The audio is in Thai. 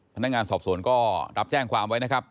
พนักงานสอบสวนก็รับแจ้งความไว้นะครับ